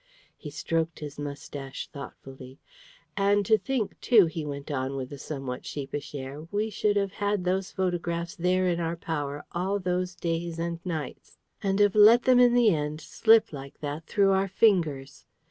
He stroked his moustache thoughtfully. "And to think, too," he went on with a somewhat sheepish air, "we should have had those photographs there in our power all those days and nights, and have let them in the end slip like that through our fingers!